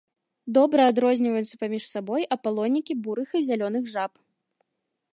Добра адрозніваюцца паміж сабой апалонікі бурых і зялёных жаб.